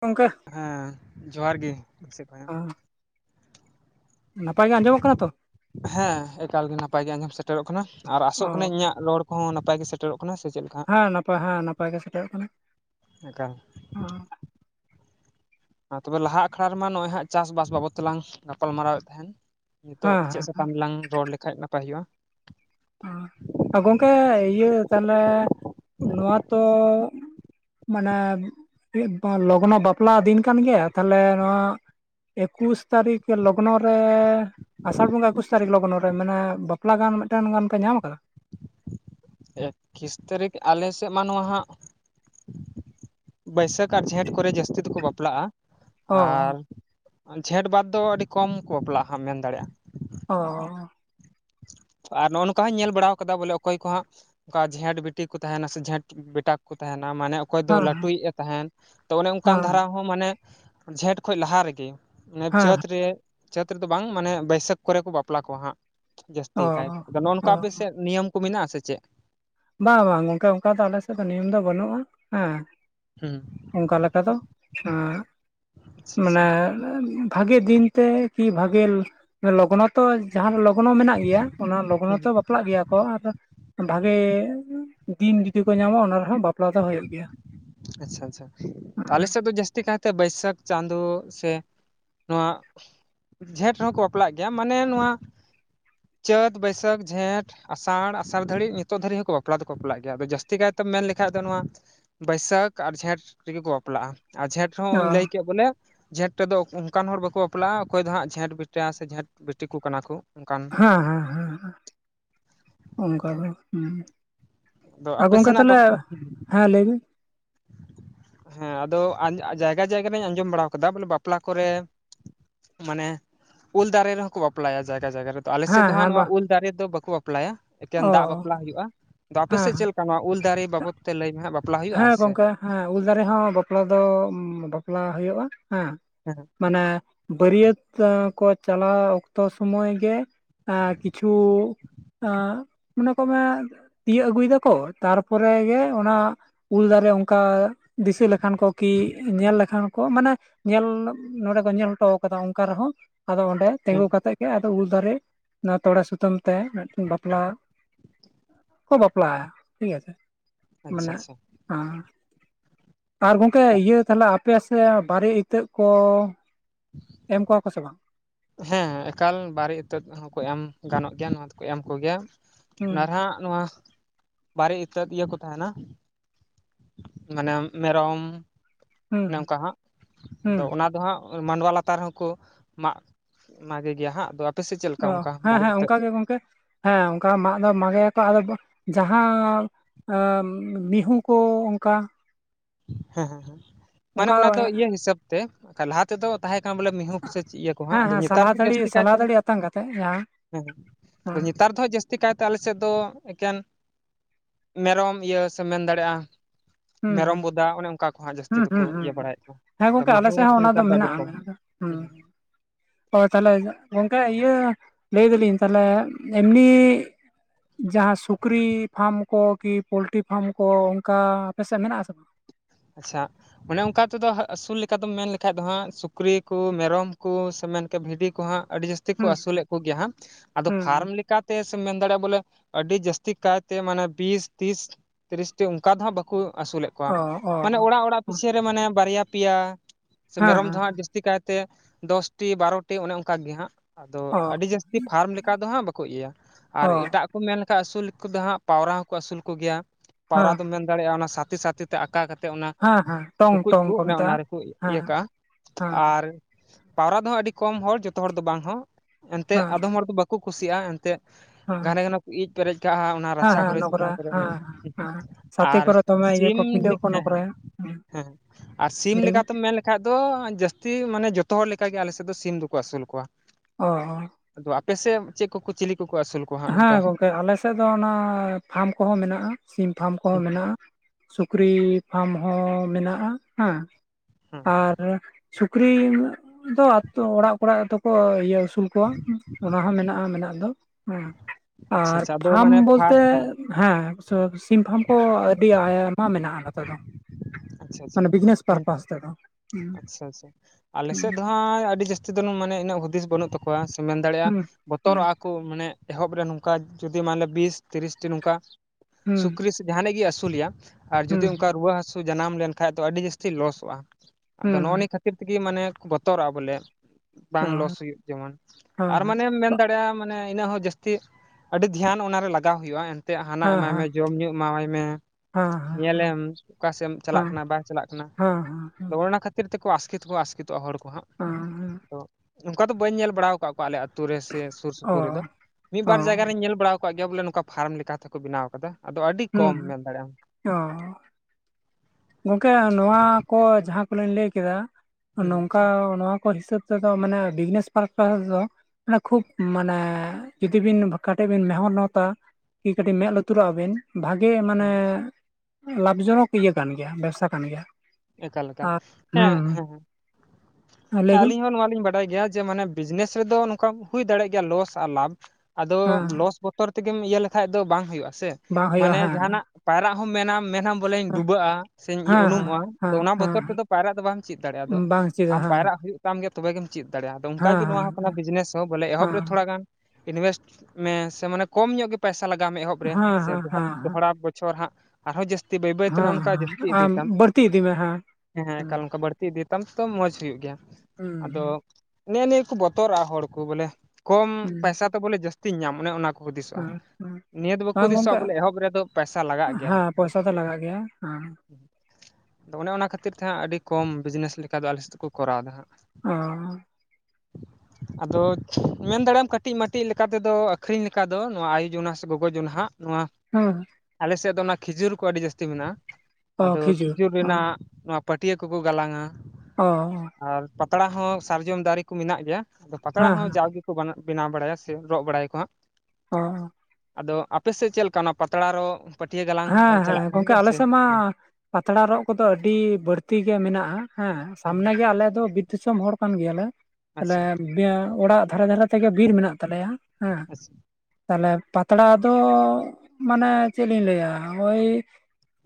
ᱜᱚᱝᱠᱮ ᱦᱮᱸ ᱡᱚᱦᱟᱨ ᱜᱮ ᱤᱧ ᱥᱮᱫ ᱠᱷᱚᱡ ᱦᱚᱸᱜ ᱦᱮᱸ ᱱᱟᱯᱟᱭ ᱜᱮ ᱟᱸᱡᱚᱢᱚᱜ ᱠᱟᱱᱟ ᱛᱚ? ᱦᱮᱸ ᱮᱠᱟᱞᱜᱮ ᱱᱟᱯᱟᱭ ᱜᱮ ᱟᱸᱡᱚᱢ ᱥᱮᱴᱮᱨᱚᱜ ᱠᱟᱱᱟ ᱟᱨ ᱚ ᱟᱥᱚᱜ ᱠᱟᱹᱱᱟᱹᱧ ᱤᱧᱟᱹᱜ ᱨᱚᱲ ᱠᱚᱦᱚᱸ ᱱᱟᱯᱟᱭ ᱜᱮ ᱥᱮᱴᱮᱨᱚᱜ ᱠᱟᱱᱟ ᱥᱮ ᱪᱮᱫ? ᱞᱮᱠᱟ ᱦᱟᱸᱜ ᱦᱮᱸ ᱱᱟᱯᱟ ᱦᱮᱸ ᱱᱟᱯᱟᱭ ᱜᱮ ᱥᱮᱴᱮᱨᱚᱜ ᱠᱟᱱᱟ ᱾ ᱮᱠᱟᱞ [inaudible] ᱟᱨ ᱛᱚᱵᱮ ᱞᱟᱦᱟ ᱟᱠᱷᱲᱟ ᱨᱮᱢᱟ ᱱᱚᱜ-ᱚᱭ ᱦᱟᱸᱜ ᱪᱟᱥᱵᱟᱥ ᱵᱟᱵᱚᱫ ᱛᱮᱞᱟᱝ ᱜᱟᱯᱟᱞᱢᱟᱨᱟᱣᱮᱫ ᱛᱟᱦᱮᱸᱱ ᱾ ᱱᱤᱛᱚᱜ ᱪᱮᱜ ᱦᱮᱸ ᱥᱟᱛᱟᱢ ᱞᱟᱝ ᱨᱚᱲ ᱞᱮᱠᱷᱟᱡ ᱱᱟᱯᱟᱭ ᱦᱩᱭᱩᱜ-ᱟ? ᱜᱚᱝᱠᱮ ᱤᱭᱟᱹ ᱛᱟᱞᱮ ᱱᱚᱣᱟ ᱛᱚ ᱢᱟᱱᱮ [inaudible] ᱞᱚᱜᱱᱚ ᱵᱟᱯᱞᱟ ᱫᱤᱱ ᱠᱟᱱ ᱜᱮᱭᱟ ᱛᱷᱟᱞᱮ ᱱᱚᱣᱟ ᱾ ᱮᱠᱩᱥ ᱛᱟᱨᱤᱠᱷ ᱞᱚᱜᱽᱱᱚ ᱨᱮᱻ ᱟᱥᱟᱲ ᱵᱚᱸᱜᱟ ᱮᱠᱩᱥ ᱛᱟᱨᱤᱠᱷ ᱞᱚᱜᱽᱱᱚ ᱨᱮ ᱢᱟᱱᱮ ᱵᱟᱯᱞᱟ ᱜᱟᱱ ᱢᱤᱫᱴᱮᱱ ᱜᱟᱱ ᱯᱮ ᱧᱟᱢ ᱟᱠᱟᱫᱟ? ᱮᱠ ᱠᱤᱥ ᱛᱟᱨᱤᱠᱷ ᱟᱞᱮ ᱥᱮᱜ ᱢᱟ ᱱᱚᱣᱟ ᱦᱟᱸᱜ ᱵᱟᱹᱭᱥᱟᱹᱠᱷ ᱟᱨ ᱡᱷᱮᱸᱴ ᱠᱚᱨᱮ ᱡᱟᱹᱥᱛᱤ ᱫᱚᱠᱩ ᱵᱟᱯᱞᱟᱜ-ᱟ ᱚ ᱾ ᱟᱨ ᱡᱷᱮᱸᱴ ᱵᱟᱫᱽ ᱫᱚ ᱟᱹᱰᱤ ᱠᱚᱢ ᱠᱚ ᱵᱟᱯᱞᱟᱜ-ᱟ ᱦᱟᱢ ᱢᱮᱱ ᱫᱟᱲᱮᱭᱟᱜ-ᱟ ᱟᱢ ᱾ ᱚᱻ ᱟᱨ ᱱᱚᱜᱼᱚ ᱱᱚᱝᱠᱟ ᱦᱚᱸᱧ ᱧᱮᱞ ᱵᱟᱲᱟ ᱠᱟᱫᱟ ᱵᱚᱞᱮ ᱚᱠᱚᱭ ᱠᱚ ᱦᱟᱸᱜ ᱚᱠᱟ ᱡᱷᱮᱸᱴ ᱵᱤᱴᱤ ᱠᱚ ᱛᱟᱦᱮᱸᱱᱟ ᱥᱮ ᱡᱷᱮᱸᱴ ᱵᱮᱴᱟ ᱠᱚ ᱛᱟᱦᱮᱸᱱᱟ ᱢᱟᱱᱮ ᱚᱠᱚᱭ ᱫᱚ ᱦᱮᱸ ᱞᱟᱹᱴᱩᱭᱤᱡ ᱮ ᱛᱟᱦᱮᱸᱱ ᱛᱚ ᱚᱱᱮ ᱚᱝᱠᱟᱱ ᱦᱮᱸ ᱫᱷᱟᱨᱟ ᱦᱚᱸ ᱢᱟᱱᱮ ᱡᱷᱮᱸᱴ ᱠᱷᱚᱡ ᱞᱟᱦᱟ ᱨᱮᱜᱮ ᱢᱟᱱᱮ ᱦᱮᱸ ᱪᱟᱹᱛ ᱨᱮ ᱪᱟᱹᱛ ᱨᱮᱫᱚ ᱵᱟᱝ ᱢᱟᱱᱮ ᱵᱟᱹᱭᱥᱟᱹᱠᱷ ᱠᱚᱨᱮ ᱠᱚ ᱵᱟᱯᱞᱟ ᱠᱚᱣᱟ ᱦᱟᱸᱜ ᱡᱟᱹᱥᱛᱤ ᱚ ᱛᱤᱠᱟᱭ ᱚ ᱱᱚᱝᱠᱟ ᱟᱯᱮ ᱥᱮᱜ ᱱᱤᱭᱚᱢ ᱠᱚ ᱢᱮᱱᱟᱜ-ᱟ ᱥᱮ ᱪᱮᱜ? ᱵᱟ ᱵᱟᱝ ᱜᱚᱝᱠᱮ ᱩᱝᱠᱟ ᱫᱚ ᱟᱞᱮ ᱥᱮᱫ ᱫᱚ ᱱᱤᱭᱚᱢ ᱫᱚ ᱵᱟᱹᱱᱩᱜ-ᱟ ᱦᱮᱸ ᱾ ᱦᱩᱸ ᱩᱝᱠᱟ ᱞᱮᱠᱟ ᱫᱚ ᱟᱜ ᱟᱪᱪᱷᱟ ᱟᱪᱪᱷᱟ ᱢᱟᱱᱮ [inaudible] ᱵᱷᱟᱜᱮ ᱫᱤᱱ ᱛᱮ ᱠᱤ ᱵᱷᱟᱜᱮ ᱞᱚᱜᱽᱱᱚ ᱾ ᱛᱚ ᱡᱟᱦᱟᱸ ᱞᱚᱜᱽᱱᱚ ᱢᱮᱱᱟᱜ ᱜᱮᱭᱟ ᱚᱱᱟ ᱞᱚᱜᱽᱱᱚ ᱦᱩᱸ ᱛᱚ ᱵᱟᱯᱞᱟᱜ ᱜᱮᱭᱟ ᱠᱚ ᱟᱫᱚ ᱵᱷᱟᱜᱮ ᱾ ᱫᱤᱱ ᱡᱩᱫᱤ ᱠᱚ ᱧᱟᱢᱚ ᱚᱱᱟ ᱨᱮᱦᱚᱸ ᱵᱟᱯᱞᱟ ᱫᱚ ᱦᱳᱭᱳᱜ ᱜᱮᱭᱟ ᱾ ᱟᱪᱪᱷᱟ ᱟᱪᱪᱷᱟ ᱟᱞᱮ ᱥᱮᱫ ᱫᱚ ᱡᱟᱹᱥᱛᱤ ᱠᱟᱭ ᱛᱮ ᱵᱟᱹᱭᱥᱟᱹᱠᱷ ᱪᱟᱸᱫᱳ ᱥᱮ ᱱᱚᱣᱟ ᱡᱷᱮᱸᱴ ᱨᱮᱦᱚᱸ ᱠᱚ ᱵᱟᱯᱞᱟᱜ ᱜᱮᱭᱟ ᱢᱟᱱᱮ ᱱᱚᱣᱟ ᱪᱟᱹᱛ ᱵᱟᱹᱭᱥᱟᱹᱠᱷ ᱡᱷᱮᱸᱴ ᱾ ᱟᱥᱟᱨ ᱟᱥᱟᱲ ᱫᱷᱟᱹᱨᱤᱡ ᱱᱤᱛᱚ ᱫᱷᱟᱹᱨᱤᱡ ᱦᱚᱸᱠᱚ ᱵᱟᱯᱞᱟ ᱫᱚᱠᱚ ᱵᱟᱯᱞᱟᱜ ᱜᱮᱭᱟ ᱟᱫᱚ ᱡᱟᱹᱥᱛᱤ ᱠᱟᱭᱛᱮ ᱢᱮᱱ ᱞᱮᱠᱷᱟᱡ ᱫᱚ ᱱᱚᱣᱟ ᱾ ᱵᱟᱹᱭᱥᱟᱹᱠᱷ ᱟᱨ ᱡᱷᱮᱸᱴ ᱨᱮᱜᱤ ᱠᱩ ᱵᱟᱯᱞᱟᱜ-ᱟ ᱟᱨ ᱡᱷᱮᱸᱴ ᱚ ᱦᱚᱸᱧ ᱞᱟᱹᱭ ᱠᱮᱫ ᱵᱚᱞᱮ ᱾ ᱡᱷᱮᱸᱴ ᱨᱮᱫᱚ ᱩᱝᱠᱟᱱ ᱦᱚᱲ ᱵᱟᱠᱚ ᱵᱟᱯᱞᱟᱜ-ᱟ ᱚᱠᱚᱭ ᱫᱚ ᱦᱟᱸᱜ ᱡᱷᱮᱸᱴ ᱵᱮᱴᱟ ᱥᱮ ᱡᱷᱮᱸᱴ ᱵᱤᱴᱤ ᱠᱩ ᱠᱟᱱᱟ ᱠᱩ ᱚᱱᱠᱟᱱ ᱾ ᱦᱮᱸ ᱦᱮᱸ ᱦᱮᱸ ᱚᱝᱠᱟ ᱫᱚ ᱦᱩᱸ ᱾ ᱟᱫᱚ ᱟ ᱟᱯᱮ ᱜᱚᱝᱠᱮ ᱥᱮᱱᱟᱜ ᱛᱟᱦᱞᱮ ᱵᱟᱯ ᱦᱮᱸ ᱞᱟᱹᱭᱵᱤᱱ᱾ ᱦᱮᱸ ᱟᱫᱚ ᱟ ᱡᱟᱭᱜᱟ ᱡᱟᱭᱜᱟ ᱨᱤᱧ ᱟᱸᱡᱚᱢ ᱵᱟᱲᱟ ᱠᱟᱫᱟ ᱵᱚᱞᱮ ᱵᱟᱯᱞᱟ ᱠᱚᱨᱮ ᱢᱟᱱᱮ ᱩᱞ ᱫᱟᱨᱮ ᱨᱮᱦᱚᱸᱠᱚ ᱵᱟᱯᱞᱟᱭᱟ ᱡᱟᱭᱜᱟ ᱡᱟᱭᱜᱟ ᱨᱮ ᱟᱞᱮ ᱥᱮᱫ ᱦᱮᱸ ᱫᱚ ᱦᱟᱸᱜ ᱦᱮᱸ ᱱᱚᱣᱟ ᱵᱟ ᱩᱞ ᱫᱟᱨᱮ ᱫᱚ ᱵᱟᱠᱩ ᱯᱞᱟᱭᱟ ᱮᱠᱮᱱ ᱚ ᱫᱟᱜ ᱵᱟᱯᱞᱟ ᱦᱩᱭᱩᱜ-ᱟ, ᱟᱫᱚ ᱟᱯᱮ ᱦᱮᱸ ᱥᱮᱫ ᱦᱮᱸ ᱪᱮᱫ ᱞᱮᱠᱟ ᱱᱚᱣᱟ ᱩᱞ ᱫᱟᱨᱮ ᱵᱟᱵᱚᱫ? ᱛᱮ ᱞᱟᱹᱭ ᱢᱮ ᱦᱟᱸᱜ ᱵᱟᱯᱞᱟ ᱦᱩᱭᱩᱜ-ᱟ ᱦᱮᱸ ᱥᱮ ᱜᱚᱝᱠᱮ ᱦᱮᱸ ᱩᱞ ᱫᱟᱨᱮ ᱦᱚᱸ ᱵᱟᱯᱞᱟ ᱫᱚ ᱵᱟᱯᱞᱟ ᱦᱩᱭᱩᱜᱼᱟ ᱦᱮᱸ᱾ ᱦᱮᱸ ᱢᱟᱱᱮ ᱵᱟᱹᱨᱭᱟᱹᱛ ᱮᱸ ᱠᱚ ᱪᱟᱞᱟᱣ ᱚᱠᱛᱚ ᱥᱚᱢᱚᱭ ᱜᱮ ᱟᱸ ᱠᱤᱪᱷᱩ ᱟᱸ ᱢᱚᱱᱮ ᱠᱚᱜ ᱢᱮ ᱛᱤᱭᱟᱹᱜ ᱟᱹᱜᱩᱭ ᱫᱟᱠᱚ ᱛᱟᱨᱯᱚᱨᱮ ᱜᱮ ᱚᱱᱟ ᱩᱞ ᱫᱟᱨᱮ ᱚᱝᱠᱟ ᱫᱤᱥᱟᱹ ᱞᱮᱠᱷᱟᱱ ᱠᱚ ᱠᱤ ᱧᱮᱞ ᱞᱮᱠᱷᱟᱱ ᱠᱚ ᱢᱟᱱᱮ ᱧᱮᱞ ᱱᱚᱸᱰᱮ ᱠᱚ ᱧᱮᱞ ᱦᱚᱴᱚ ᱠᱟᱫᱟ ᱚᱝᱠᱟ ᱨᱮᱦᱚᱸ ᱟᱫᱚ ᱚᱸᱰᱮ ᱛᱮᱸᱜᱳ ᱦᱮᱸ ᱠᱟᱛᱮᱜ ᱟᱫᱚ ᱩᱞ ᱫᱟᱨᱮ ᱚᱱᱟ ᱛᱚᱲᱮ ᱥᱩᱛᱟᱹᱢ ᱛᱮ ᱢᱤᱫᱴᱮᱱ ᱵᱟᱯᱞᱟ ᱠᱚ ᱵᱟᱯᱞᱟᱭᱟ ᱴᱷᱤᱠ ᱟᱪᱷᱮ ᱟᱪᱪᱷᱟ ᱢᱟᱱᱮ ᱟᱪᱪᱷᱟ ᱦᱮᱸ ᱟᱨ ᱜᱚᱝᱠᱮ ᱤᱭᱟᱹ ᱛᱟᱦᱞᱮ ᱟᱯ ᱯᱮ ᱥᱮ ᱵᱟᱨᱮ ᱤᱛᱟᱹᱜ ᱠᱚ ᱮᱢ ᱠᱚᱣᱟ ᱠᱚ ᱥᱮ ᱵᱟᱝ? ᱦᱮᱸ ᱮᱠᱟᱞ ᱵᱟᱨᱮ ᱤᱛᱟᱹᱫ ᱦᱚᱸᱠᱚ ᱮᱢ ᱜᱟᱱᱚᱜ ᱜᱮᱭᱟ ᱱᱚᱣᱟ ᱫᱚᱠᱚ ᱮᱢ ᱠᱚ ᱜᱮᱭᱟ᱾ ᱦᱩᱸ ᱱᱟ ᱨᱮᱦᱟᱜ ᱱᱚᱣᱟ ᱵᱟᱨᱮ ᱤᱛᱟᱹᱫ ᱤᱭᱟᱹ ᱠᱚ ᱛᱟᱦᱮᱸᱱᱟ ᱢᱟᱱᱮ ᱢᱮᱨᱚᱢ ᱦᱩᱸ ᱚᱱᱮ ᱚᱝᱠᱟ ᱦᱟᱸᱜ, ᱟᱫᱚ ᱦᱩᱸ ᱚᱱᱟ ᱫᱚ ᱦᱟᱸᱜ ᱢᱟᱰᱣᱟ ᱞᱟᱛᱟᱨ ᱨᱮᱦᱚᱸ ᱠᱩ ᱢᱟᱜ ᱢᱟᱜᱮ ᱜᱮᱭᱟ ᱦᱟᱸᱜ ᱟᱫᱚ ᱥᱮᱫ ᱪᱮᱫ ᱞᱮᱠᱟ ᱚ ᱚᱱᱠᱟ ᱦᱮᱸ ᱵᱟᱨᱮ ᱦᱮᱸ ᱤᱛᱟᱹᱫ ᱚᱝᱠᱟ ᱜᱮ ᱜᱚᱝᱠᱮ᱾ ᱦᱮᱸ ᱚᱝᱠᱟ ᱢᱟᱜ ᱫᱚ ᱢᱟᱜᱮᱭᱟᱠᱚ ᱟᱫᱚ ᱡᱟᱦᱟᱸ ᱮᱸ ᱢᱤᱦᱩ ᱠᱚ ᱚᱝᱠᱟ ᱦᱮᱸ ᱦᱮᱸ ᱦᱮᱸ ᱢᱟᱱᱮ ᱚᱱᱠᱟ ᱚᱱᱟ ᱫᱚ ᱤᱭᱟᱹ ᱦᱤᱥᱟᱹᱵ ᱛᱮ ᱠᱟᱞᱦᱟᱛ ᱛᱮᱫᱚ ᱛᱟᱦᱮᱸ ᱠᱟᱱᱟ ᱵᱚᱞᱮ ᱢᱤᱦᱩ ᱠᱚ ᱥᱮ ᱪᱮ ᱤᱭᱟᱹ ᱠᱚ ᱦᱟᱸᱜ ᱟᱫᱚ ᱱᱮᱛᱟᱨ ᱫᱚ ᱡᱟᱹᱥᱛᱤ ᱠᱟᱭ ᱞᱟ ᱫᱟᱹᱲᱤ ᱟᱛᱟᱝ ᱠᱟᱛᱮᱜ ᱡᱟᱦᱟᱸ ᱦᱮᱸ ᱟᱫᱚ ᱦᱮᱸ ᱧᱮᱛᱟᱨ ᱦᱚᱸ ᱡᱟᱹᱥᱛᱤ ᱠᱟᱭᱛᱮ ᱟᱞᱮ ᱥᱮᱜ ᱫᱚ ᱮᱠᱮᱱ ᱢᱮᱨᱚᱢ ᱤᱭᱟᱹ ᱥᱮᱢ ᱢᱮᱱ ᱫᱟᱲᱮᱜᱼᱟ ᱦᱩᱸ ᱦᱩᱸ ᱚᱱᱮ ᱚᱱᱠᱟ ᱠᱚ ᱦᱟᱸᱜ ᱡᱟᱹᱥᱛᱤ ᱦᱩᱸ ᱫᱚᱠᱚ ᱦᱩᱸ ᱦᱩᱸ ᱤᱭᱟᱹ ᱵᱟᱲᱟᱭᱮᱜ ᱠᱚᱣᱟ ᱦᱮᱸ ᱟᱫᱚ ᱜᱚᱝᱠᱮ ᱟᱞᱮ ᱥᱮᱫ ᱢᱤᱦᱩ ᱥᱮ ᱦᱚᱸ ᱚᱱᱟ ᱧᱮᱛᱟᱨ ᱫᱚ ᱟᱹᱰᱤ ᱢᱮᱱᱟᱜᱼᱟ ᱠᱚᱢ ᱢᱮᱱᱟᱜ ᱫᱚ ᱾ ᱦᱩᱸ [inaudible] ᱚ ᱛᱟᱦᱞᱮ [inaudible] ᱜᱚᱝᱠᱮ ᱤᱭᱟᱹ ᱞᱟᱹᱭ ᱫᱟᱞᱤᱧ ᱛᱟᱦᱞᱮ ᱮᱢᱱᱤ ᱡᱟᱦᱟᱸ ᱥᱩᱠᱨᱤ ᱯᱷᱟᱢ ᱠᱚ ᱠᱤ ᱯᱳᱞᱴᱤ ᱯᱷᱟᱢ ᱠᱚ ᱚᱝᱠᱟ ᱟᱯᱮ ᱥᱮᱜ ᱢᱮᱱᱟᱜᱼᱟ ᱥᱮ ᱵᱟᱝ? ᱟᱪᱪᱷᱟ ᱚᱱᱮ ᱚᱝᱠᱟ ᱛᱮᱫᱚ ᱟᱹᱥᱩᱞ ᱞᱮᱠᱟ ᱫᱚᱢ ᱢᱮᱱ ᱞᱮᱠᱷᱟᱡ ᱫᱚ ᱦᱟᱸᱜ ᱥᱩᱠᱨᱤ ᱠᱚ ᱢᱮᱨᱚᱢ ᱠᱚ ᱥᱮ ᱢᱮᱱ ᱵᱷᱤᱰᱤ ᱠᱚ ᱦᱟᱸᱜ ᱟᱹᱰᱤ ᱡᱟᱹᱥ ᱛᱮᱠᱚ ᱦᱩᱸ ᱟᱹᱥᱩᱞᱮᱜ ᱠᱚᱜᱮᱭᱟ ᱦᱟᱸᱜ, ᱟᱫᱚ ᱯᱷᱟᱨᱢ ᱦᱩᱸ ᱞᱮᱠᱟ ᱛᱮ ᱥᱮᱢ ᱢᱮᱱ ᱫᱟᱲᱮᱜᱼᱟ ᱵᱚᱞᱮ ᱟᱹᱰᱤ ᱡᱟᱹᱥᱛᱤ ᱠᱟᱭᱛᱮ ᱢᱟᱱᱮ ᱵᱤᱥ ᱛᱤᱥ ᱛᱤᱨᱤᱥᱴᱤ ᱚᱝᱠᱟ ᱫᱚ ᱦᱟᱸᱜ ᱵᱟᱠᱚ ᱟᱹᱥᱩᱞᱮᱜ ᱚ ᱢᱟᱱᱮ ᱚᱲᱟᱜ ᱚᱲᱟᱜ ᱚ ᱯᱤᱪᱷᱟᱹ ᱨᱮ ᱢᱟᱱᱮ ᱵᱟᱨᱭᱟ ᱯᱮᱭᱟ ᱥᱮ ᱦᱮᱸ ᱢᱮᱨᱚᱢ ᱫᱚ ᱦᱮᱸ ᱦᱟᱸᱜ ᱡᱟᱹᱥ ᱛᱤ ᱠᱟᱭᱛᱮ ᱫᱚᱥᱴᱤ ᱵᱟᱨᱚᱴᱤ ᱚᱱᱮ ᱚᱝᱠᱟ ᱜᱮ ᱦᱟᱸᱜ᱾ ᱟᱫᱚ ᱚ ᱟᱹᱰᱤ ᱡᱟᱹᱥᱛᱤ ᱯᱷᱟᱨᱢ ᱞᱮᱠᱟ ᱫᱚ ᱦᱟᱸᱜ ᱵᱟᱠᱚ ᱤᱭᱟᱹᱭᱟ ᱟᱨ ᱚ ᱮᱴᱟᱜ ᱠᱚ ᱢᱮᱱ ᱞᱮᱠᱷᱟᱡ ᱟᱹᱥᱩᱞ ᱠᱚ ᱫᱚ ᱦᱟᱸᱜ ᱯᱟᱣᱨᱟ ᱦᱚᱸᱠᱚ ᱟᱹᱥᱩᱞ ᱠᱚᱜᱭᱟ ᱦᱮᱸ ᱯᱟᱣᱨᱟ ᱫᱚ ᱢᱮᱱ ᱫᱟᱲᱮᱜᱼᱟ ᱚᱱᱟ ᱥᱟᱛᱷᱮ ᱥᱟᱛᱷᱮ ᱛᱮ ᱟᱠᱟ ᱠᱟ ᱛᱮ ᱚᱱᱟ ᱦᱮᱸ ᱦᱮᱸ ᱴᱚᱝ ᱴᱩᱠᱩᱡ ᱴᱚᱝ ᱠᱚ ᱚᱱᱮ ᱚᱱᱟ ᱢᱮᱛᱟᱜᱼᱟ ᱨᱮᱠᱚ ᱤᱭᱟᱹ ᱦᱮᱸ ᱠᱟᱜᱼᱟ ᱦᱮᱸ ᱟᱨ ᱯᱟᱣᱨᱟ ᱫᱚ ᱦᱟᱜ ᱟᱹᱰᱤ ᱠᱚᱢ ᱦᱚᱲ ᱡᱚᱛᱚ ᱦᱚᱲ ᱫᱚ ᱵᱟᱝ ᱦᱚᱸ ᱮᱱᱛᱮᱫ ᱦᱮᱸ ᱟᱫᱚᱢ ᱦᱚᱲ ᱫᱚ ᱵᱟᱠᱚ ᱠᱩᱥᱤᱤᱭᱟᱜᱼᱟ ᱮᱱᱛᱮᱫ ᱦᱮᱸ ᱜᱷᱟᱱᱮ ᱜᱷᱟᱱᱮ ᱠᱚ ᱤᱡ ᱯᱮᱨᱮᱡ ᱠᱟᱜᱼᱟ ᱚᱱᱟ ᱦᱮᱸ ᱨᱟᱪᱟ ᱦᱮᱸ ᱠᱚᱨᱮ ᱪᱤᱠᱟᱹ ᱱᱚᱝᱨᱟ ᱠᱚᱨᱮ ᱚᱱᱟ ᱦᱮᱸ ᱦᱮᱸ ᱥᱟᱛᱮ ᱟᱨ ᱠᱚᱨᱮ ᱫᱚᱢᱮ ᱤᱭᱟᱹ ᱥᱤᱢ ᱠᱚ ᱯᱤᱴᱟᱣᱹ ᱦᱮᱸ ᱦᱮᱸ ᱟᱨ ᱥᱤᱢ ᱞᱟᱹᱭ ᱢᱮ ᱞᱮᱠᱟᱛᱚᱢ ᱢᱮᱱ ᱞᱮᱠᱷᱟᱡ ᱫᱚ ᱡᱟᱹᱥᱛᱤ ᱢᱟᱱᱮ ᱡᱚᱛᱚ ᱦᱚᱲ ᱞᱮᱠᱟ ᱜᱮ ᱟᱞᱮ ᱥᱮᱫ ᱫᱚ ᱥᱤᱢ ᱫᱚᱠᱚ ᱟᱹᱥᱩᱞ ᱠᱚᱣᱟ᱾ ᱚᱻ ᱟᱫᱚ ᱟᱯᱮ ᱥᱮᱫ ᱪᱮᱫ ᱠᱚᱠᱚ ᱪᱤᱞᱤ ᱠᱚᱠᱚ ᱟᱹᱥᱩᱞ ᱠᱚᱣᱟ ᱦᱟᱸᱜ ᱦᱮᱸ ᱱᱚᱝᱠᱟ ᱜᱚᱢᱠᱮ ᱟᱞᱮ ᱥᱮᱫ ᱫᱚ ᱚᱱᱟ ᱯᱷᱟᱢ ᱠᱚᱦᱚᱸ ᱢᱮᱱᱟᱜᱼᱟ ᱥᱤᱢ ᱯᱷᱟᱢ ᱠᱚᱦᱚᱸ ᱢᱮᱱᱟᱜᱼᱟ᱾ ᱥᱩᱠᱨᱤ ᱯᱷᱟᱨᱢ ᱦᱚᱸ ᱢᱮᱱᱟᱜᱼᱟ, ᱦᱮᱸ ᱦᱮᱸ ᱟᱨ ᱥᱩᱠᱨᱤ ᱫᱚ ᱟᱛᱩ ᱚᱲᱟᱜ ᱠᱚᱨᱮᱜ ᱜᱮᱛᱚ ᱠᱚ ᱤᱭᱟᱹ ᱟᱹᱥᱩᱞ ᱠᱚᱣᱟ ᱚᱱᱟ ᱦᱚᱸ ᱢᱮᱱᱟᱜᱼᱟ ᱢᱮᱱᱟᱜ ᱫᱚ᱾ ᱦᱮᱸ ᱟᱪᱪᱷᱟ ᱟᱨ ᱟᱪᱪᱷᱟ ᱟᱫᱚ ᱯᱷᱟᱢ ᱢᱟᱱᱮ ᱯᱷᱟᱨ ᱵᱚᱞᱛᱮ ᱦᱮᱸ ᱦᱮᱸ ᱥᱤᱢ ᱯᱷᱟᱢ ᱠᱚ ᱟᱹᱰᱤ ᱟᱭᱢᱟ ᱢᱮᱱᱟᱜᱼᱟ ᱱᱚᱛᱮ ᱫᱚ᱾ ᱟᱪᱪᱷᱟ ᱟᱪᱪᱷᱟ ᱢᱟᱱᱮ ᱵᱤᱡᱽᱱᱮᱥ ᱯᱟᱨᱯᱟᱥ ᱛᱮᱫᱚ ᱦᱩᱸ [unintelligible] ᱟᱪᱪᱷᱟ ᱟᱪᱪᱷᱟ ᱟᱞᱮ ᱥᱮᱫ ᱫᱚ ᱦᱩᱸ ᱦᱟᱜ ᱟᱹᱰᱤ ᱡᱟᱹᱥᱛᱤ ᱫᱚ ᱢᱟᱱᱮ ᱩᱱᱟᱹᱜ ᱦᱩᱫᱤᱥ ᱵᱟᱹᱱᱩᱜ ᱛᱟᱠᱚᱣᱟ ᱥᱮ ᱢᱮᱱ ᱫᱟᱲᱮᱭᱟᱜᱼᱟ ᱵᱚᱛᱚᱨ ᱦᱩᱸ ᱚᱜ-ᱟ ᱠᱚ ᱢᱟᱱᱮ ᱮᱦᱚᱵ ᱨᱮ ᱱᱚᱝᱠᱟ ᱡᱩᱫᱤ ᱢᱟᱱᱮ ᱵᱤᱥ ᱛᱤᱨᱤᱥᱴᱤ ᱱᱚᱝᱠᱟ ᱦᱩᱸ ᱥᱩᱠᱨᱤ ᱥᱮ ᱡᱟᱦᱟᱱᱤᱜ ᱜᱮ ᱟᱹᱥᱩᱞᱮᱭᱟ ᱟᱨ ᱡᱩᱫᱤ ᱦᱩᱸ ᱚᱱᱠᱟ ᱨᱩᱣᱟᱹ ᱦᱟᱹᱥᱩ ᱡᱟᱱᱟᱢ ᱞᱮᱱᱠᱷᱟᱱ ᱫᱚ ᱟᱹᱰᱤ ᱡᱟᱹᱥᱛᱤ ᱞᱚᱥᱚᱜᱼᱟ ᱾ ᱦᱩᱸ ᱦᱮᱸ ᱦᱮᱸ ᱟᱫᱚ ᱦᱮᱸ ᱱᱚᱜᱼᱚ ᱱᱤᱭᱟᱹ ᱠᱷᱟᱹᱛᱤᱨ ᱛᱮᱜᱮ ᱢᱟᱱᱮ ᱵᱚᱛᱚᱨᱚᱜᱼᱟ ᱵᱚᱞᱮ ᱵᱟᱝ ᱞᱚᱥ ᱦᱩᱭᱩᱜ ᱡᱮᱢᱚᱱ ᱦᱮᱸ ᱟᱨ ᱦᱮᱸ ᱢᱟ ᱱᱮᱢ ᱢᱮᱱ ᱫᱟᱲᱮᱭᱟᱜᱼᱟ ᱢᱟᱱᱮ ᱤᱱᱟᱹᱜ ᱦᱚᱸ ᱡᱟᱹᱥᱛᱤ ᱟᱹᱰᱤ ᱫᱷᱮᱭᱟᱱ ᱚᱱᱟᱨᱮ ᱞᱟᱜᱟᱣ ᱦᱩᱭᱩᱜᱼᱟ ᱮᱱ ᱛᱮᱫ ᱦᱟᱱᱟ ᱦᱮᱸ ᱮᱢᱟᱭ ᱢᱮ ᱦᱮᱸ ᱡᱚᱢ ᱧᱩ ᱮᱢᱟᱣᱟᱭ ᱢᱮ ᱧᱮᱞ ᱮᱢ ᱚᱠᱟ ᱥᱮᱫ ᱮᱢ ᱪᱟᱞᱟᱜ ᱠᱟᱱᱟ ᱵᱟᱭ ᱪᱟᱞᱟᱜ ᱠᱟᱱᱟ ᱦᱮᱸ ᱦᱮᱸ ᱟᱫᱚ ᱚᱱᱮ ᱚᱱᱟ ᱠᱷᱟᱹᱛᱤᱨ ᱛᱮᱠᱚ ᱟᱥᱠᱮᱛ ᱦᱚᱸ ᱠᱚ ᱟᱥᱠᱮᱛᱚᱜᱼᱟ ᱦᱚᱲ ᱠᱚ ᱦᱟᱸᱜ ᱚᱻ ᱟᱫᱚ ᱚᱱᱠᱟ ᱫᱚ ᱵᱟᱹᱧ ᱧᱮᱞ ᱵᱟᱲᱟ ᱟᱠᱟᱫ ᱠᱚᱣᱟ ᱟᱞᱮ ᱟᱹᱛᱩ ᱨᱮ ᱥᱮ ᱥᱩᱨ ᱚ ᱥᱩᱯᱩᱨ ᱨᱮᱫᱚ ᱢᱤᱫ ᱚ ᱵᱟᱨ ᱡᱟᱭᱜᱟ ᱨᱤᱧ ᱧᱮᱞ ᱵᱟᱲᱟ ᱟᱠᱚᱣᱟᱜ ᱜᱮ ᱵᱚᱞᱮ ᱱᱚᱝᱠᱟ ᱯᱷᱟᱨᱢ ᱞᱮᱠᱟ ᱛᱮᱠᱚ ᱵᱮᱱᱟᱣ ᱠᱟᱫᱟ ᱟᱫᱚ ᱟᱹᱰᱤ ᱠᱚᱢ ᱦᱩᱸ ᱢᱮᱱ ᱫᱟᱲᱮᱭᱟᱜ ᱟᱢ᱾ ᱚ ᱜᱚᱝᱠᱮ ᱱᱚᱣᱟ ᱠᱚ ᱡᱟᱦᱟᱸ ᱠᱚᱞᱤᱧ ᱞᱟᱹᱭ ᱠᱮᱫᱟ ᱦᱩᱸ ᱱᱚᱝᱠᱟ ᱱᱚᱣᱟ ᱠᱚ ᱦᱤᱥᱟᱹᱵᱽ ᱛᱮᱫᱚ ᱢᱟᱱᱮ ᱵᱤᱡᱽᱱᱮᱥ ᱯᱟᱦᱴᱟ ᱛᱮ ᱫᱚ ᱚᱱᱟ ᱠᱷᱩᱵ ᱢᱟᱱᱮᱻ ᱡᱩᱫᱤ ᱵᱤᱱ ᱠᱟᱹᱴᱤᱡ ᱵᱤᱱ ᱢᱮᱦᱚᱸ ᱱᱚᱛᱟ ᱠᱤ ᱠᱟᱹᱴᱤᱡ ᱢᱮᱫ ᱞᱩᱛᱩᱨᱟᱜ ᱵᱤᱱ ᱵᱷᱟᱜᱮ ᱢᱟᱱᱮ ᱦᱩᱸ ᱞᱟᱵᱷ ᱡᱚᱱᱚᱠ ᱤᱭᱟᱹ ᱠᱟᱱ ᱜᱮᱭᱟ ᱵᱮᱵᱽᱥᱟ ᱠᱟᱱ ᱜᱮᱭᱟ᱾ ᱮᱠᱟᱞᱠᱟ ᱟᱨ [inaudible] ᱦᱮᱸ ᱦᱩᱸ ᱦᱩᱸ ᱞᱟᱹᱭ ᱦᱮᱸ ᱵᱤᱱ ᱟᱹᱞᱤᱧ ᱦᱚᱸ ᱱᱚᱣᱟ ᱞᱤᱧ ᱵᱟᱰᱟᱭ ᱜᱮᱭᱟ ᱡᱮ ᱢᱟᱱᱮ ᱵᱤᱡᱽᱱᱮᱥ ᱨᱮᱫᱚ ᱱᱚᱠᱟ ᱦᱩᱭ ᱫᱟᱲᱮᱭᱟᱜ ᱜᱮᱭᱟ ᱞᱚᱥ ᱟᱨ ᱞᱟᱵᱷ ᱟᱫᱚ ᱦᱮᱸ ᱞᱚᱥ ᱵᱚ ᱛᱚᱨ ᱛᱮᱜᱮᱢ ᱤᱭᱟᱹ ᱞᱮᱠᱷᱟᱡ ᱫᱚ ᱵᱟᱝ ᱦᱩᱭᱩᱜᱼᱟ ᱥᱮ ᱵᱟᱝ ᱦᱩᱭᱩᱜᱼᱟ ᱢᱟᱱᱮ ᱦᱮᱸ ᱡᱟᱦᱟᱱᱟᱜ ᱯᱟᱭᱨᱟᱜ ᱦᱚᱸᱢ ᱢᱮᱱᱟᱢ ᱢᱮᱱᱟᱢ ᱵᱚᱞᱮᱧ ᱦᱮᱸ ᱰᱩᱵᱟᱹᱜᱼᱟ ᱥᱮᱧ ᱦᱮᱸ ᱩᱱᱩᱢᱚᱜᱼᱟ ᱟᱫᱚ ᱦᱮᱸ ᱚᱱᱟ ᱦᱮᱸ ᱵᱚᱛᱚᱨ ᱛᱮᱫᱚ ᱯᱟᱭᱨᱟᱜ ᱫᱚ ᱵᱟᱢ ᱪᱮᱫ ᱫᱟᱲᱮᱭᱟᱜᱼᱟ ᱟᱫᱚ ᱦᱮᱸ ᱵᱟᱝ ᱪᱮᱫᱟ ᱟᱢ ᱦᱮᱸ ᱯᱟᱭᱨᱟᱜ ᱦᱩᱭᱩᱜ ᱛᱟᱢ ᱜᱮᱭᱟ ᱛᱚᱵᱮᱜᱮᱢ ᱪᱮᱫ ᱫᱟᱲᱮᱭᱟᱜᱼᱟ ᱟᱫᱚ ᱚᱝᱠᱟᱜᱮ ᱦᱮᱸ ᱱᱚᱣᱟ ᱦᱚᱸ ᱠᱟᱱᱟ ᱵᱤᱡᱽᱮᱥ ᱦᱚᱸ ᱵᱚᱞᱮ ᱮᱦᱚᱵ ᱦᱮᱸ ᱨᱮ ᱛᱷᱚᱲᱟ ᱜᱟᱱ ᱤᱱᱵᱷᱮᱥᱴ ᱢᱮ ᱥᱮ ᱢᱟᱱᱮ ᱠᱚᱢ ᱧᱚᱜ ᱜᱮ ᱯᱚᱭᱥᱟ ᱞᱟᱜᱟᱣ ᱢᱮ ᱮᱦᱚᱵ ᱨᱮ ᱦᱮᱸ ᱥᱮ ᱦᱮᱸ ᱫᱚᱦᱚᱜ ᱦᱮᱸ ᱫᱚᱦᱲᱟ ᱵᱚ ᱪᱷᱚᱨ ᱦᱟᱸᱜ ᱟᱨᱦᱚᱸ ᱡᱟᱹᱥᱛᱤ ᱵᱟᱹᱭ ᱵᱟᱹᱭᱛᱮ ᱱᱚᱜᱼ ᱚ ᱱᱚᱝᱠᱟ ᱡᱟᱹᱥᱛᱤ ᱤᱫᱤᱭ ᱛᱟᱢ ᱛᱤ ᱤᱫᱤ ᱢᱮ ᱦᱟᱸᱜ ᱦᱮᱸᱜᱼᱮᱸ ᱮᱠᱟᱞ ᱚᱝᱠᱟ ᱵᱟᱹᱲᱛᱤ ᱤᱫᱤᱛᱟᱢ ᱛᱚ ᱢᱚᱡᱽ ᱦᱩᱭᱩᱜ ᱜᱮᱭᱟ ᱟᱫᱚ ᱦᱩᱸ ᱱᱮᱜᱼᱮ ᱱᱤᱭᱟᱹ ᱠᱚ ᱵᱚᱛᱚᱨᱟᱜᱼᱟ ᱦᱚᱲ ᱠᱚ ᱵᱚᱞᱮ ᱠᱚᱢ ᱦᱩᱸ ᱯᱟᱭᱥᱟ ᱛᱮ ᱵᱚᱞᱮ ᱡᱟᱹᱥᱛᱤ ᱧᱟᱢ ᱚᱱᱮ ᱚᱱᱟ ᱦᱩᱫᱤᱥᱚᱜᱼᱟ ᱦᱮᱸ ᱦᱮᱸ ᱱᱤᱭᱟᱹ ᱫᱚ ᱵᱟᱠᱚ ᱵᱟᱝ ᱦᱩᱫᱤᱥᱚᱜᱼᱟ ᱜᱚᱝᱠᱮ ᱵᱚᱞᱮ ᱮᱦᱚᱵ ᱨᱮᱫᱚ ᱯᱚᱭᱥᱟ ᱞᱟᱜᱟᱜ ᱜᱮᱭᱟ᱾ ᱦᱮᱸ ᱯᱚᱭᱥᱟ ᱫᱚ ᱞᱟᱜᱟᱜ ᱜᱮᱭᱟ ᱦᱮᱸ ᱟᱫᱚ ᱚᱱᱮ ᱚᱱᱟ ᱠᱷᱟᱹᱛᱤᱨ ᱛᱮᱦᱟᱸᱜ ᱟᱹᱰᱤ ᱠᱚᱢ ᱵᱤᱡᱽᱱᱮᱥ ᱞᱮᱠᱟ ᱫᱚ ᱟᱞᱮ ᱥᱮᱫ ᱠᱚ ᱠᱚᱨᱟᱣᱫᱟ ᱦᱟᱜ᱾ ᱚᱻ [inaudible] ᱟᱫᱚ, ᱢᱮᱱ ᱫᱟᱲᱮᱭᱟᱢ ᱠᱟᱹᱴᱤᱡ ᱢᱟᱹᱴᱤᱡ ᱞᱮᱠᱟ ᱛᱮᱫᱚ ᱟᱹᱠᱷᱨᱤᱧ ᱞᱮᱠᱟ ᱫᱚ ᱱᱚᱣᱟ ᱟᱭᱚᱡᱚᱱᱟ ᱥᱮ ᱠᱚ ᱜᱚᱜᱚ ᱡᱚᱱᱷᱟᱜ ᱱᱚᱣᱟ, ᱦᱩᱸ, ᱟᱞᱮ ᱥᱮᱫ ᱫᱚ ᱚᱱᱟ ᱠᱷᱤᱡᱩᱨ ᱠᱚ ᱟᱹᱰᱤ ᱡᱟᱹᱥᱛᱤ ᱢᱮᱱᱟᱜᱼᱟ᱾ ᱚ ᱠᱷᱤᱡᱩᱨ, ᱚ ᱵᱮᱱᱟ ᱟᱜ ᱱᱚᱣᱟ ᱯᱟᱹᱴᱭᱟᱹ ᱠᱚᱠᱚ ᱜᱟᱞᱟᱝ ᱟ ᱚᱜᱼᱚ, ᱟᱨ ᱯᱟᱛᱲᱟ ᱦᱚᱸ ᱥᱟᱨᱡᱚᱢ ᱫᱟᱨᱮ ᱠᱚ ᱢᱮᱱᱟᱜ ᱜᱮᱭᱟ ᱟᱫᱚ ᱯᱟᱛᱲᱟ ᱦᱮᱸ ᱦᱚᱸ ᱦᱮᱸ ᱡᱟᱣᱜᱮ ᱠᱚ ᱵᱟᱱᱟᱜ ᱵᱮᱱᱟᱣ ᱵᱟᱲᱟᱭᱟ ᱥᱮ ᱨᱚᱜ ᱵᱟᱲᱟᱭᱟ ᱦᱟᱸᱜ᱾ ᱚ, ᱟᱫᱚ ᱟᱯᱮ ᱥᱮᱫ ᱪᱮᱜ ᱞᱮᱠᱟ ᱚᱱᱟ ᱯᱟᱛᱲᱟ ᱨᱚᱜ ᱯᱟᱹᱴᱭᱟᱹ ᱜᱟᱞᱟᱝ ᱠᱚ ᱦᱮᱸ ᱦᱮᱸ ᱪᱟᱞᱟᱜ ᱠᱟᱱ ᱜᱚᱝᱠᱮ ᱜᱮᱭᱟ ᱟᱞᱮ ᱥᱮ ᱥᱮᱫ ᱢᱟ ᱵᱟᱝ? ᱯᱟᱛᱲᱟ ᱨᱚᱜ ᱠᱚᱫᱚ ᱟᱹᱰᱤ ᱵᱟᱹᱲᱛᱤ ᱜᱮ ᱢᱮᱱᱟᱜᱼᱟ, ᱦᱮᱸ ᱦᱩᱸ ᱦᱩᱸ ᱥᱟᱢᱱᱮ ᱜᱮᱭᱟ ᱟᱞᱮ ᱫᱚ ᱵᱤᱨ ᱫᱤᱥᱚᱢ ᱦᱚᱲ ᱠᱟᱱ ᱜᱮᱭᱟᱞᱮ ᱟᱞᱮ ᱟᱪᱪᱷᱟ ᱚᱲᱟᱜ ᱫᱷᱟᱨᱮ ᱫᱷᱟᱨᱮ ᱛᱮᱜᱮ ᱵᱤᱨ ᱢᱮᱱᱟᱜ ᱛᱟᱞᱮᱭᱟ᱾ ᱦᱮᱸ, ᱟᱪᱪᱷᱟ ᱛᱟᱦᱞᱮ ᱯᱟᱛᱲᱟ ᱫᱚ ᱢᱟᱱᱮ ᱪᱮᱫ ᱞᱤᱧ ᱞᱟᱹᱭᱟ ᱦᱳᱭ,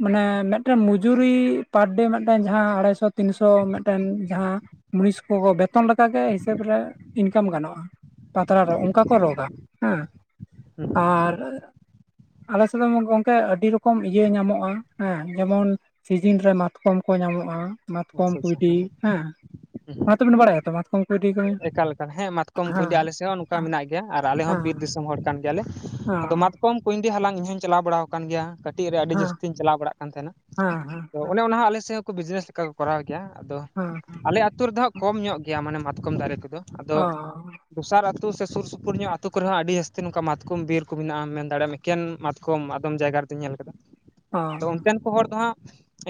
ᱢᱟᱱᱮ ᱢᱮᱫᱴᱮᱱ ᱢᱚᱡᱩᱨᱤ ᱯᱟᱨᱼᱰᱮ ᱢᱤᱫᱴᱮᱱ ᱡᱟᱦᱟᱸ ᱟᱲᱟᱭᱥᱚ ᱛᱤᱱᱥᱚ ᱢᱤᱫᱴᱮᱱ ᱡᱟᱦᱟᱸ ᱢᱩᱲᱤᱥ ᱠᱚ ᱠᱚ ᱵᱮᱛ ᱛᱚᱱ ᱞᱮᱠᱟᱜᱮ ᱦᱤᱥᱟᱹᱵᱽ ᱨᱮ ᱤᱱᱠᱟᱢ ᱜᱟᱱᱚᱜᱼᱟ ᱯᱟᱛᱲᱟ ᱨᱚᱜ ᱚᱝᱠᱟ ᱠᱚ ᱨᱚᱚᱜᱟ᱾ ᱦᱮᱸ, ᱦᱩᱸ ᱟᱨ ᱟᱞᱮ ᱥᱮᱫ ᱫᱚᱢᱮ ᱜᱚᱝᱠᱮ ᱟᱹᱰ ᱰᱤ ᱨᱚᱠᱚᱢ ᱤᱭᱟᱹ ᱧᱟᱢᱚᱜᱼᱟ, ᱦᱮᱸ ᱡᱮᱢᱚᱱ ᱥᱤᱡᱤᱱ ᱨᱮ ᱢᱟᱛᱠᱚᱢ ᱠᱚ ᱧᱟᱢᱚᱜᱼᱟ᱾ ᱦᱩᱸ ᱢᱟᱛᱠᱚᱢ ᱟᱪᱪᱷᱟ ᱟᱪᱪᱷᱟ ᱠᱩᱭᱰᱤ, ᱦᱮᱸ ᱚᱱᱟ ᱦᱮᱸ ᱛᱚᱵᱮᱱ ᱵᱟᱰᱟᱭᱟᱛᱚ? ᱢᱟᱛᱠᱚᱢ ᱠᱩᱭᱰᱤ ᱠᱚ ᱦᱮᱸ ᱮᱠᱟᱞ ᱮᱠᱟᱞ, ᱦᱮᱸ ᱢᱟᱛᱠᱚᱢ ᱠᱩᱸᱭᱰᱤ ᱦᱮᱸ ᱟᱞᱮ ᱥᱮᱫ ᱦᱚᱸ ᱱᱚᱝᱠᱟ ᱢᱮᱱᱟᱜ ᱜᱮᱭᱟ ᱟᱨ ᱟᱞᱮ ᱦᱚᱸ ᱦᱮᱸ ᱵᱤᱨ ᱫᱤᱥᱚᱢ ᱦᱚᱲ ᱠᱟᱱ ᱜᱮᱭᱟᱞᱮ᱾ ᱟᱫᱚ ᱦᱮᱸ ᱢᱟᱛᱠᱚᱢ ᱠᱩᱸᱭᱰᱤ ᱦᱟᱞᱟᱝ ᱤᱧ ᱦᱩᱧ ᱪᱟᱞᱟᱣ ᱵᱟᱲᱟᱣ ᱟᱠᱟᱱ ᱜᱮᱭᱟ᱾ ᱠᱟᱹᱴᱤᱡ ᱨᱮ ᱟᱹᱰᱤ ᱡᱟᱹᱥᱛᱤᱧ ᱪᱟᱞᱟᱣ ᱵᱟᱲᱟᱜ ᱠᱟᱱ ᱛᱟᱦᱮᱱᱟ, ᱦᱮᱸ ᱦᱮᱸ ᱛᱚ ᱚᱱᱮ ᱚᱱᱟ ᱦᱚᱸ ᱟᱞᱮᱥᱮᱜ ᱦᱚᱸ ᱠᱚ ᱵᱤᱡᱽᱱᱮᱥ ᱞᱮᱠᱟ ᱠᱚᱨᱟᱣ ᱜᱮᱭᱟ, ᱟᱫᱚ ᱦᱮᱸ ᱟᱞᱮ ᱟᱹᱛᱩ ᱨᱮᱫᱚ ᱦᱟᱸᱜ ᱠᱚᱢ ᱧᱚᱜ ᱜᱮᱭᱟ ᱢᱟᱱᱮ ᱢᱟᱛᱠᱚᱢ ᱫᱟᱨᱮ ᱠᱚᱫᱚ᱾ ᱟᱫᱚ ᱚ ᱫᱚᱥᱟᱨ ᱟᱛᱩ ᱥᱮ ᱥᱩᱨ ᱥᱩᱯᱩᱨ ᱧᱚᱜ ᱟᱹᱛᱩ ᱠᱚᱨᱮ ᱦᱚᱸ ᱟᱹᱰᱤ ᱡᱟᱹᱥᱛᱤ ᱱᱚᱝᱠᱟ ᱢᱟᱛᱠᱚᱢ ᱵᱤᱨ ᱠᱚ ᱢᱮᱱᱟᱜᱼᱟ᱾ ᱢᱮᱱ ᱫᱟᱲᱮᱭᱟᱢ ᱢᱮ ᱮᱠᱮᱱ ᱢᱟᱛᱠᱚᱢ ᱟᱫᱚᱢ ᱡᱟᱭᱜᱟ ᱨᱮᱫᱩᱧ ᱧᱮᱞ ᱟᱠᱟᱫᱟ᱾ ᱚ ᱛᱚ ᱚᱱᱛᱮᱱ ᱠᱚ ᱦᱚᱲ ᱫᱚ ᱦᱟᱸᱜ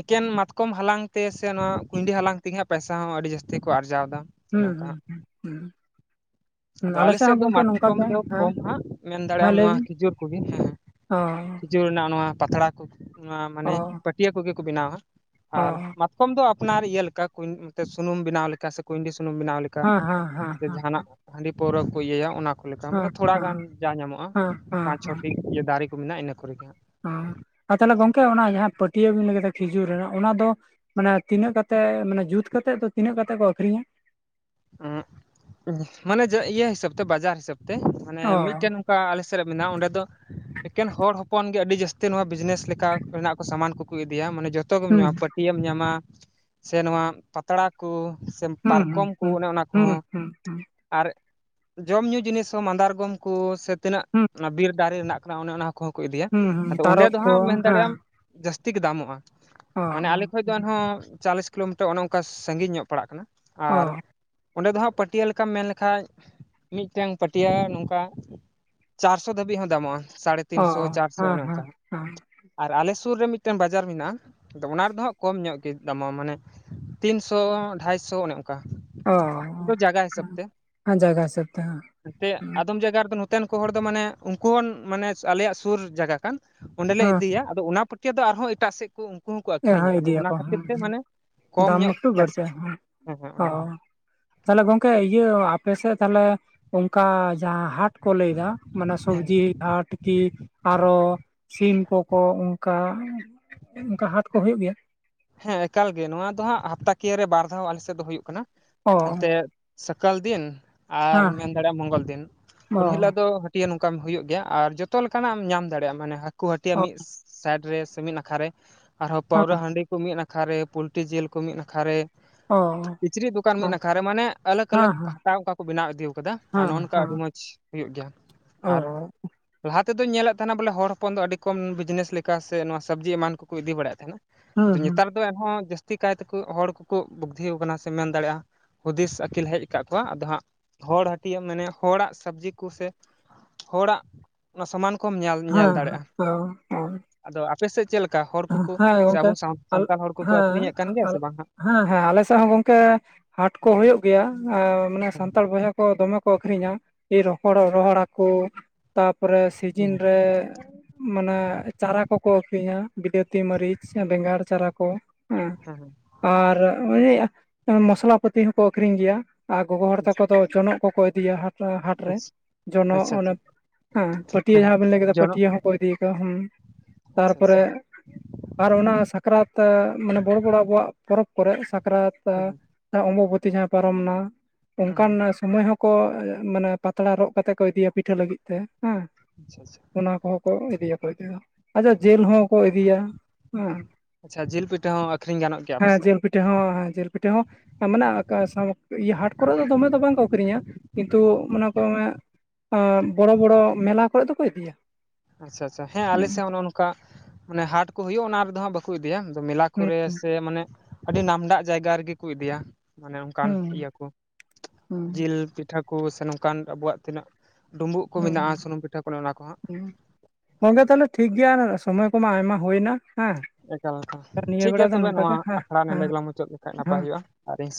ᱮᱠᱮᱱ ᱢᱟᱛᱠᱚᱢ ᱦᱟᱞᱟᱝ ᱛᱮ ᱥᱮ ᱚᱱᱟ ᱠᱩᱸᱭᱰᱤ ᱦᱟᱞᱟᱝ ᱛᱮᱜᱮ ᱦᱟᱸᱜ ᱯᱟᱭᱥᱟ ᱦᱚᱸ ᱟᱹᱰᱤ ᱡᱟᱹᱥᱛᱤ ᱠᱚ ᱟᱨᱡᱟᱣ ᱮᱫᱟ᱾ ᱚᱱᱮ ᱚᱱᱠᱟ ᱦᱟᱸᱜ ᱦᱩᱸᱜᱼᱩᱸ ᱦᱩᱸ ᱦᱩᱸ ᱦᱩᱸ, ᱦᱩᱸ ᱟᱫᱚ ᱟᱞᱮ ᱥᱮᱫ ᱦᱚᱸ ᱫᱚ ᱜᱚᱝᱠᱮ ᱱᱚᱝᱠᱟ ᱢᱟᱛᱠᱚᱢ ᱜᱮ ᱫᱚ ᱦᱮᱸ ᱠᱚᱢ ᱦᱟᱸᱜ, ᱢᱮᱱ ᱫᱟᱲᱮᱭᱟᱜᱼᱟᱢ ᱱᱚᱣᱟ ᱠᱷᱤᱡᱩᱨ ᱠᱩᱜᱤ᱾ ᱦᱮᱸ, ᱦ, ᱡᱩᱨ ᱨᱮᱱᱟᱜ ᱱᱚᱣᱟ ᱯᱟᱛᱲᱟ ᱠᱩ, ᱱᱚᱣᱟ ᱢᱟᱱᱮ ᱯᱟᱹᱴᱭᱟᱹ ᱠᱚᱜᱮ ᱠᱚ ᱵᱮᱱᱟᱣᱟ᱾ ᱚ ᱟᱨ ᱠᱚᱢ ᱫᱚ ᱟᱯᱱᱟᱨ ᱤᱭᱟᱹ ᱞᱮᱠᱟ ᱠᱩᱸᱭ ᱥᱩᱱᱩᱢ ᱵᱮᱱᱟᱣ ᱞᱮᱠᱟ ᱥᱮ ᱠᱩᱸᱭᱰᱤ ᱥᱩᱱᱩᱢ ᱵᱮᱱᱟᱣ ᱞᱮ ᱠᱟ, ᱦᱮᱸ ᱦᱮᱸ ᱦᱮᱸ ᱥᱮ ᱦᱮᱸ ᱡᱟᱦᱟᱱᱟᱜ ᱦᱟᱺᱰᱤ ᱯᱟᱹᱣᱨᱟᱹ ᱠᱚ ᱤᱭᱟᱹᱭᱟ ᱚᱱᱟ ᱠᱚ ᱞᱮᱠᱟ ᱢᱟᱱᱮ ᱦᱮᱸ ᱛᱷᱚᱲᱟ ᱜᱟᱱ ᱡᱟ ᱧᱟᱢᱚᱜᱼᱟ, ᱦᱮᱸ ᱦᱮᱸ ᱯᱟᱸᱪ ᱪᱷᱚᱴᱤ ᱤᱭᱟᱹ ᱫᱟᱨᱮ ᱠᱚ ᱢᱮᱱᱟᱜᱼᱟ ᱤᱱᱟᱹ ᱠᱚᱨᱮᱜᱮ ᱦᱟᱸᱜ᱾ ᱚ, ᱟᱨ ᱛᱟᱦᱚᱞᱮ ᱜᱚᱝᱠᱮ ᱚᱱᱟ ᱡᱟᱦᱟᱸ ᱯᱟᱹᱴᱭᱟᱹ ᱵᱤᱱ ᱞᱟᱹᱭ ᱠᱮᱫᱟ ᱠᱷᱤᱡᱩᱨ ᱨᱮᱱᱟᱜ ᱚᱱᱟ ᱫᱚ ᱢᱟᱱᱮ ᱛᱤᱱᱟᱹᱜ ᱠᱟᱛᱮ ᱢᱟᱱᱮ ᱡᱩᱛ ᱠᱟᱛᱮᱫ ᱫᱚ ᱛᱤᱱᱟᱹᱜ ᱠᱟᱛᱮᱫ ᱠᱚ ᱟᱹᱠᱷᱨᱤᱧᱟ? ᱚᱸᱜ ᱢᱟᱱᱮᱡ ᱤᱭᱟᱹ ᱦᱤᱥᱟᱹᱵ ᱛᱮ, ᱵᱟᱡᱟᱨ ᱦᱤᱥᱟᱹᱵ ᱛᱮ, ᱢᱟᱱᱮ ᱚ ᱢᱤᱫᱴᱮᱱ ᱚᱠᱟ ᱟᱞᱮ ᱥᱮᱫ ᱨᱮ ᱢᱮᱱᱟᱜᱼᱟ, ᱚᱸᱰᱮ ᱫᱚ ᱮᱠᱮᱱ ᱦᱚᱲ ᱦᱚᱯᱚᱱ ᱜᱮ ᱟᱹᱰᱤ ᱡᱟᱹᱥᱛᱤ ᱱᱚᱣᱟ ᱵᱤᱡᱽᱱᱮᱥ ᱞᱮᱠᱟ ᱨᱮᱱᱟᱜ ᱠᱚ ᱥᱟᱢᱟᱱ ᱠᱚᱠᱚ ᱤᱫᱤᱭᱟ ᱢᱟᱱᱮ ᱡᱚ ᱛᱚ ᱜᱮᱢ ᱦᱩᱸ ᱧᱟᱢᱟ᱾ ᱯᱟᱹᱴᱭᱟᱹᱢ ᱧᱟᱢᱟ ᱥᱮ ᱱᱚᱣᱟ ᱯᱟᱛᱲᱟ ᱠᱩ, ᱥᱮ ᱦᱩᱸ ᱦᱩᱸ ᱯᱟᱨᱠᱚᱢ ᱠᱩ, ᱦᱩᱸ ᱚᱱᱮ ᱚᱱᱟ ᱦᱩᱸ ᱠᱚᱦᱚᱸ ᱦᱩᱸ ᱦᱩᱸ ᱟᱨ ᱡᱚᱢ ᱧᱩᱩ ᱡᱤᱱᱤᱥ ᱦᱚᱸ ᱢᱟᱸᱫᱟᱨᱜᱚᱢ ᱠᱩ, ᱥᱮ ᱛᱤᱱᱟᱹᱜ ᱦᱩᱸ ᱚᱱᱟ ᱵᱤᱨ ᱫᱟᱨᱮ ᱨᱮᱱᱟᱜ ᱠᱟᱱᱟ, ᱚᱱᱮ ᱚᱱᱟ ᱠᱚᱦᱚᱸ ᱠᱚ ᱤᱫᱤᱭᱟ᱾ ᱦᱩᱸ ᱦᱩᱸ ᱟᱫᱚ ᱚᱸᱰᱮ ᱛᱟᱨᱚᱵ ᱫᱚ ᱠᱚ ᱦᱟᱸᱜ ᱢᱮᱱ ᱫᱟᱲᱮᱭᱟᱜ ᱦᱮᱸ ᱟᱢ ᱡᱟᱹᱥᱛᱤ ᱜᱮ ᱫᱟᱢᱚᱜᱼᱟ ᱚ ᱢᱟᱱᱮ ᱟᱞᱮ ᱠᱷᱚᱡ ᱫᱚ ᱮᱱᱦᱚᱸ ᱪᱟᱞᱞᱤᱥ ᱠᱤᱞᱳᱢᱤᱴᱟᱨ ᱚᱱᱮ ᱚᱱᱠᱟ ᱥᱟᱺᱜᱤᱧ ᱧᱚᱜ ᱯᱟᱲᱟᱜ ᱠᱟᱱᱟ᱾ ᱚ ᱟᱨ ᱚᱸᱰᱮ ᱫᱚ ᱦᱟᱸᱜ ᱯᱟᱹᱴᱭᱟᱹ ᱞᱮᱠᱟᱢ ᱢᱮᱱ ᱞᱮᱠᱷᱟᱡ ᱢᱤᱫᱴᱮᱱ ᱯᱟᱹᱴᱭᱟᱹ ᱱᱚᱝᱠᱟ ᱪᱟᱨᱥᱚ ᱫᱷᱟᱹᱵᱤᱡ ᱦᱚᱸ ᱫᱟᱢᱚᱜᱼᱟ ᱥᱟᱲᱮ ᱚ ᱛᱤᱱᱥᱚ ᱪᱟᱨᱥᱚ ᱦᱮᱸ ᱚᱱᱮ ᱚᱱᱠᱟ᱾ ᱦᱮᱸ ᱦᱮᱸ ᱟᱨ ᱟᱞᱮ ᱥᱩᱨ ᱨᱮ ᱢᱤᱫᱴᱮᱱ ᱵᱟᱡᱟᱨ ᱢᱮᱱᱟᱜᱼᱟ᱾ ᱟᱫᱚ ᱚᱱᱟ ᱨᱮᱫᱚ ᱦᱟᱸᱜ ᱠᱚᱢ ᱧᱚᱜ ᱜᱮ ᱫᱟᱢᱚᱜ ᱢᱟᱱᱮ ᱛᱤᱱᱥᱚ ᱰᱟᱭᱥᱚ ᱚᱱᱮ ᱚᱱᱠᱟ᱾ ᱚᱻ ᱡᱜᱟ ᱦᱤᱥᱟᱹᱵ ᱛᱮ ᱦᱮᱸ ᱛᱮ ᱟᱫᱚᱢ ᱡᱟᱭᱜᱟ ᱫᱚ ᱱᱚ ᱛᱮᱱ ᱠᱚ ᱦᱚᱲ ᱫᱚ ᱢᱟᱱᱮ ᱩᱱᱠᱩ ᱢᱟᱱᱮ ᱟᱞᱮᱭᱟᱜ ᱥᱩᱨ ᱡᱟᱭᱜᱟ ᱠᱟᱱ ᱚᱸᱰᱮᱞᱮ ᱦᱮᱸ ᱤᱫᱤᱭᱟ ᱟᱫᱚ ᱚᱱᱟ ᱯᱟᱹᱴᱭᱟᱹ ᱫᱚ ᱟᱨᱦᱚᱸ ᱮᱴᱟᱜ ᱥᱮᱫ ᱠᱚ ᱩᱱᱠᱩ ᱦᱚᱸᱠᱚ ᱟᱠᱷᱨᱤᱧᱟ ᱦᱮᱸ ᱟᱫᱚ ᱤᱫᱤᱭᱟᱠᱚ ᱚᱱᱟ ᱦᱮᱸ ᱠᱷᱟᱹᱛᱤᱨ ᱛᱮ ᱢᱟᱱᱮ ᱠᱚᱢ ᱫᱟᱢ ᱧᱚᱜ ᱮᱠᱴᱩ ᱯᱚᱭᱥᱟ ᱵᱟᱹᱲᱛᱤ ᱦᱮᱸ ᱦᱮᱸ ᱚᱱᱮ ᱚᱱᱟ ᱛᱟᱦᱞᱮ ᱜᱚᱝᱠᱮ ᱤᱭᱟᱹ ᱟᱯᱮᱥᱮᱫ ᱛᱟᱦᱞᱮ ᱚᱱᱠᱟ ᱡᱟᱦᱟᱸ ᱦᱟᱴ ᱠᱚ ᱞᱟᱹᱭᱫᱟ ᱢᱟᱱᱮ ᱦᱮᱸ ᱥᱚᱵᱡᱤ ᱡᱟᱦᱟᱸᱴᱤᱠᱤ ᱟᱨᱚ ᱥᱤᱢ ᱠᱚᱠᱚ ᱚᱱᱠᱟ ᱚᱱᱠᱟ ᱦᱟᱴ ᱠᱚ ᱦᱩᱭᱩᱜ ᱜᱮᱭᱟ᱾ ᱦᱮᱸ ᱮᱠᱟᱞ ᱜᱮ ᱱᱚᱣᱟ ᱫᱚ ᱦᱟᱸᱜ ᱦᱟᱯᱛᱟ ᱠᱤᱭᱟᱹ ᱨᱮ ᱵᱟᱨ ᱫᱷᱟᱣ ᱟᱞᱮ ᱥᱮᱫ ᱫᱚ ᱦᱩᱭᱩᱜ ᱠᱟᱱᱟ ᱚ ᱮᱱᱛᱮ ᱥᱟᱠᱟᱞ ᱫᱤᱱ ᱟᱨ ᱦᱮᱸ ᱢᱮᱱ ᱫᱟᱲᱮᱭᱟᱜᱼᱟ ᱢᱚᱝᱜᱚᱞ ᱫᱤᱱ ᱚ ᱩᱱ ᱦᱤᱞᱳᱜ ᱫᱚ ᱴᱤᱭᱟ ᱱᱚᱝᱠᱟ ᱦᱩᱭᱩᱜ ᱜᱮᱭᱟ ᱟᱨ ᱡᱚᱛᱚ ᱞᱮᱠᱟᱱᱟᱜ ᱮᱢ ᱧᱟᱢ ᱫᱟᱲᱮᱭᱟᱜᱼᱟ ᱢᱟᱱᱮ ᱦᱟᱹᱠᱩ ᱦᱟᱹᱴᱟᱭᱟ ᱚ ᱢᱤᱫ ᱥᱟᱭᱤᱰ ᱨᱮ ᱥᱮ ᱢᱤᱫ ᱱᱟᱠᱷᱟᱨ ᱨᱮ ᱟᱨᱦᱚᱸ ᱯᱟᱣᱨᱟ ᱦᱮᱸ ᱦᱟᱺᱰᱤ ᱠᱚ ᱢᱤᱫ ᱱᱟᱠᱷᱟᱨ ᱨᱮ ᱯᱳᱞᱴᱤ ᱡᱤᱞ ᱠᱚ ᱢᱤᱫ ᱱᱟᱠᱷᱟ ᱨᱮ ᱚᱻ ᱠᱤᱪᱨᱤᱡ ᱫᱚᱠᱟᱱ ᱢᱤᱫ ᱱᱟᱠᱷᱟᱨ ᱢᱟᱱᱮ ᱟᱞᱟᱜ ᱟᱞᱟᱜ ᱦᱮᱸ ᱯᱷᱟᱛᱟ ᱚᱱᱠᱟ ᱠᱚ ᱵᱮᱱᱟᱣ ᱤᱫᱤ ᱟᱠᱟᱫᱟ ᱟᱨ ᱦᱮᱸ ᱱᱚᱜ ᱱᱚᱝᱠᱟ ᱦᱮᱸ ᱟᱹᱰᱤ ᱢᱚᱸᱡᱽ ᱦᱩᱭᱩᱜ ᱜᱮᱭᱟ ᱟᱨ ᱚ ᱞᱟᱦᱟ ᱛᱮᱫᱚᱧ ᱧᱮᱞᱮᱫ ᱛᱟᱦᱮᱱᱟ ᱵᱚᱞᱮ ᱦᱚᱲ ᱦᱚᱯᱚᱱ ᱫᱚ ᱟᱹᱰᱤ ᱠᱚᱢ ᱵᱤᱡᱽᱱᱮᱥ ᱞᱮᱠᱟ ᱥᱮ ᱱᱚᱣᱟ ᱥᱚᱵᱽᱡᱤ ᱮᱢᱟᱱ ᱠᱚᱠᱚ ᱤᱫᱤ ᱵᱟᱲᱟᱭᱮᱫ ᱛᱟᱦᱮᱱᱟ᱾ ᱦᱩᱸ ᱟᱫᱚ ᱦᱩᱸ ᱱᱮᱛᱟᱨ ᱫᱚ ᱮᱱᱦᱚᱸ ᱡᱟᱹᱥᱛᱤ ᱠᱟᱭᱛᱮ ᱠᱚ ᱦᱚᱲ ᱠᱚᱠᱚ ᱵᱩᱫᱽᱫᱷᱤ ᱠᱟᱱᱟ ᱥᱮ ᱢᱮᱱ ᱫᱟᱲᱮᱭᱟᱜᱼᱟ᱾ ᱦᱩᱫᱤᱥ ᱟᱹᱠᱤᱞ ᱦᱮᱡ ᱟᱠᱟᱫ ᱠᱚᱣᱟ ᱟᱫᱚ ᱦᱟᱸᱜ ᱦᱚᱲ ᱦᱟᱹᱴᱭᱟᱹ ᱢᱟᱱᱮ ᱦᱚᱲᱟᱜ ᱥᱚᱵᱽᱡᱤ ᱠᱚ ᱥᱮ ᱦᱚᱲᱟᱜ ᱥᱟᱚᱢᱟᱱ ᱠᱚᱢ ᱧᱮᱞ ᱧᱮᱞ ᱦᱮᱸ ᱦᱮᱸ ᱫᱟᱲᱮᱭᱟᱜᱼᱟ᱾ ᱚ ᱚ ᱟᱫᱚ ᱟᱯᱮ ᱥᱮᱫ ᱪᱮᱫ ᱞᱮᱠᱟ ᱦᱚᱲ ᱠᱚᱠᱚ ᱦᱮᱸ ᱥᱮ ᱟᱵᱚ ᱥᱟᱶ [unintelligible] ᱦᱮᱸ ᱥᱟᱱᱛᱟᱲ ᱦᱚᱲ ᱠᱚᱠᱚ [unintelligible] ᱟᱹᱠᱷᱨᱤᱧᱮᱫ ᱠᱟᱱ ᱜᱮᱭᱟ ᱥᱮ ᱵᱟᱝ ᱦᱟᱸᱜ ᱦᱮᱸ ᱦᱮᱸ ᱟᱞᱮ ᱥᱮᱫ ᱦᱚᱸ ᱜᱚᱝᱠᱮ ᱦᱟᱴ ᱠᱚ ᱦᱩᱭᱩᱜ ᱜᱮᱭᱟ ᱢᱟᱱᱮ ᱥᱟᱱᱛᱟᱲ ᱵᱚᱭᱦᱟ ᱠᱚ ᱫᱚᱢᱮ ᱠᱚ ᱟᱠᱷᱨᱤᱧᱟ ᱨᱚᱦᱚᱲ ᱨᱚᱦᱚᱲ ᱦᱟᱠᱳ ᱛᱟᱯᱚᱨᱮ ᱦᱮᱸ ᱥᱤᱡᱤᱱ ᱨᱮ ᱢᱟᱱᱮ ᱪᱟᱨᱟ ᱠᱚᱠᱚ ᱟᱹᱠᱷᱨᱤᱧᱟ᱾ ᱵᱤᱞᱟᱹᱛᱤ ᱢᱟᱹᱨᱤᱪ ᱵᱮᱸᱜᱟᱲ ᱪᱟᱨᱟ ᱠᱚ ᱦᱮᱸ ᱦᱮᱸ ᱦᱮᱸ ᱟᱨ ᱟᱱᱮ ᱢᱚᱥᱞᱟ ᱯᱟᱹᱛᱤ ᱦᱚᱸᱠᱚ ᱟᱠᱷᱨᱤᱧ ᱜᱮᱭᱟ᱾ ᱟᱨ ᱜᱚᱜᱚ ᱦᱚᱲ ᱛᱟᱠᱚ ᱫᱚ ᱡᱚᱱᱚᱜ ᱠᱚᱠᱚ ᱤᱫᱤᱭᱟ ᱦᱟᱴᱨᱮ ᱡᱚᱱᱚᱜ ᱟᱪᱪᱷᱟ ᱚᱱᱮ ᱟᱪᱪᱷᱟ ᱦᱮᱸ ᱯᱟᱹᱴᱭᱟᱹ ᱦᱮᱸ ᱦᱮᱸ ᱡᱟᱦᱟᱸ ᱵᱮᱱ ᱞᱟᱹᱭ ᱠᱮᱫᱟ ᱡᱚᱱᱚᱜ ᱯᱟᱹᱴᱭᱟᱹ ᱦᱚᱸᱠᱚ ᱤᱫᱤᱠᱟᱫᱟ ᱦᱮᱸ ᱟᱪᱪᱷᱟ ᱛᱟᱨᱯᱚᱨᱮ ᱟᱪᱪᱷᱟ ᱟᱨ ᱚᱱᱟ ᱥᱟᱠᱨᱟᱛ ᱢᱟᱱᱮ ᱵᱚᱲᱚ ᱵᱚᱲᱚ ᱟᱵᱚᱣᱟᱜ ᱯᱚᱨᱚᱵᱽ ᱠᱚᱨᱮᱜ ᱥᱟᱠᱨᱟᱛ ᱦᱮᱸ ᱚᱢᱵᱵᱚᱛᱤ ᱡᱟᱦᱟᱸᱟᱭ ᱯᱟᱨᱚᱢᱱᱟ ᱦᱮᱸ ᱚᱱᱠᱟᱱ ᱦᱮᱸ ᱥᱚᱢᱚᱭ ᱦᱚᱸᱠᱚ ᱢᱟᱱᱮ ᱯᱟᱛᱲᱟ ᱨᱚᱜ ᱠᱟᱛᱮ ᱠᱚ ᱤᱫᱤᱭᱟ ᱯᱤᱴᱷᱟᱹ ᱞᱟᱹᱜᱤᱫ ᱛᱮ ᱦᱮᱸ ᱟᱪᱪᱷᱟ ᱟᱪᱪᱷᱟ ᱚᱱᱟ ᱠᱚᱦᱚᱸ ᱠᱚ ᱤᱫᱤᱭᱟ ᱠᱚ ᱤᱫ ᱟᱪᱪᱷᱟ ᱡᱤᱞ ᱦᱚᱸ ᱠᱚ ᱤᱫᱤᱭᱟ ᱟᱪᱪᱷᱟ ᱡᱤᱞ ᱯᱤᱴᱷᱟᱹ ᱦᱚᱸ ᱟᱹᱠᱷᱨᱤᱧ ᱜᱟᱱᱚᱜ ᱜᱮᱭᱟ ᱦᱮᱸ ᱟᱯᱮᱥᱮᱫ ᱡᱤᱞ ᱯᱤ ᱯᱤᱴᱷᱟᱹ ᱦᱚᱸ ᱡᱤᱞ ᱯᱤᱴᱷᱟᱹ ᱦᱚᱸ ᱢᱟᱱᱮ ᱟᱠᱟ ᱥᱟᱸᱣ ᱤᱭᱟ ᱦᱟᱴ ᱠᱚᱨᱮ ᱫᱚ ᱫᱚᱢᱮ ᱫᱚ ᱵᱟᱝᱠᱚ ᱟᱹᱠᱷᱨᱤᱧᱟ ᱠᱤᱱᱛᱩ ᱚᱱᱟ ᱠᱚ ᱵᱚᱲᱚ ᱵᱚᱲᱚ ᱢᱮᱞᱟ ᱠᱚᱨᱮ ᱫᱚᱠᱚ ᱤᱫᱤᱭᱟ᱾ ᱟᱪᱪᱷᱟ ᱟᱪᱪᱷᱟ ᱦᱮᱸ ᱦᱩᱸ ᱟᱞᱮᱥᱮᱫ ᱦᱚᱸ ᱱᱚᱜ ᱱᱚᱝᱠᱟ ᱢᱟᱱᱮ ᱦᱟᱸᱴ ᱠᱚ ᱦᱩᱭᱩᱜᱼᱟ ᱚᱱᱟ ᱨᱮᱫᱚ ᱦᱟᱜ ᱠᱚ ᱤᱫᱤᱭᱟ ᱢᱮᱞᱟ ᱦᱩᱸ ᱠᱚᱨᱮ ᱥᱮ ᱢᱟᱱᱮ ᱟᱹᱰᱤ ᱱᱟᱢᱰᱟᱜ ᱡᱟᱭᱜᱟ ᱨᱮᱜᱮ ᱠᱚ ᱤᱫᱤᱭᱟ᱾ ᱢᱟᱱᱮ ᱚᱱᱠᱟᱱ ᱦᱩᱸ ᱤᱭᱟᱹ ᱠᱚ ᱦᱩᱸ ᱡᱤᱞ ᱯᱤᱴᱷᱟᱹ ᱠᱚ ᱥᱮ ᱱᱚᱝᱠᱟᱱ ᱟᱵᱚᱣᱟᱜ ᱛᱤᱱᱟᱹᱜ ᱰᱩᱢᱵᱩᱜ ᱠᱚ ᱦᱩᱸ ᱢᱮᱱᱟᱜᱼᱟ ᱥᱩᱱᱩᱢ ᱯᱤᱴᱷᱟᱹ ᱠᱚ ᱚᱱᱟ ᱚᱱᱟ ᱠᱚ ᱦᱟᱸᱜ ᱦᱩᱸ ᱜᱚᱝᱠᱮ ᱛᱟᱦᱞᱮ ᱴᱷᱤᱠ ᱜᱮᱭᱟ ᱥᱚᱢᱚᱭ ᱠᱚᱢᱟ ᱟᱭᱢᱟ ᱦᱩᱭᱱᱟ ᱦᱮᱸ᱾ ᱮᱠᱟᱞ ᱮᱠᱟᱞ ᱱᱤᱭᱟᱹ ᱴᱷᱤᱠ ᱵᱮᱲᱟ ᱜᱮᱭᱟ ᱫᱚ ᱛᱚᱵᱮ ᱱᱚᱝᱠᱟ ᱱᱚᱣᱟ ᱜᱮ ᱦᱮᱸ ᱟᱠᱷᱲᱟ ᱱᱮᱰᱮ ᱦᱮᱸ ᱜᱮᱞᱟᱝ ᱢᱩᱪᱟᱹᱫ ᱞᱮᱠᱷᱟᱡ ᱦᱮᱸ ᱱᱟᱯᱟᱭ ᱦᱩᱭᱩᱜᱼᱟ ᱟᱨᱤᱧ